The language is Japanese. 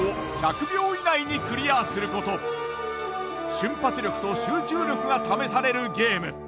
瞬発力と集中力が試されるゲーム。